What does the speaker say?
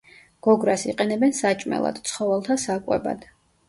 გოგრას იყენებენ საჭმელად, ცხოველთა საკვებად.